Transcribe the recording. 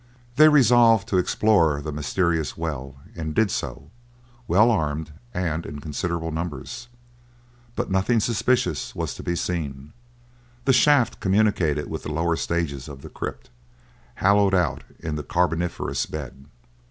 They resolved to explore the mysterious well, and did so, well armed and in considerable numbers. But nothing suspicious was to be seen; the shaft communicated with lower stages of the crypt, hollowed out in the carboniferous bed.